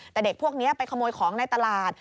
แต่เด็กพวกนี้ไปขโมยของในตลาด